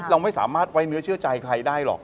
เราไม่สามารถไว้เนื้อเชื่อใจใครได้หรอก